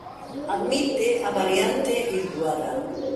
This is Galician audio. Admite a variante Ilduara.